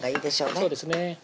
そうですね